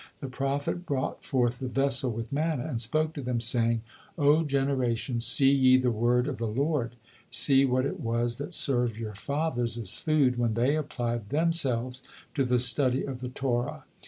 the prophet brought forth the vessel with manna, and spoke to them, saying: "O generation, see ye the word of the Lord; see what it was that served your fathers as food when they applied themselves to the study of the Torah.